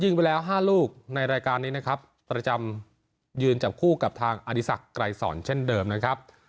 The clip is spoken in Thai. ไปแล้ว๕ลูกในรายการนี้นะครับประจำยืนจับคู่กับทางอดีศักดิ์ไกรสอนเช่นเดิมนะครับ